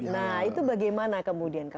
nah itu bagaimana kemudian